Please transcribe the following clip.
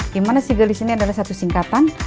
dimana si gelis ini adalah satu singkatan